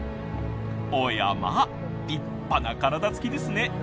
おやまあ立派な体つきですね。